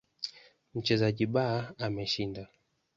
Mchezaji B ameshinda.